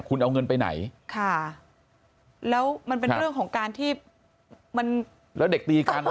คุณเอาเงินไปไหนค่ะแล้วมันเป็นเรื่องของการที่มันแล้วเด็กตีกัน